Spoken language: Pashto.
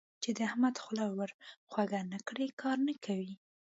چې د احمد خوله ور خوږه نه کړې؛ کار نه کوي.